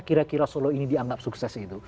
kira kira solo ini dianggap sukses itu